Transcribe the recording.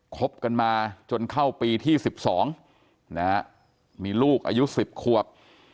คบกันมาจนเข้าปีที่๑๒นะฮะมีลูกอายุ๑๐ขวบ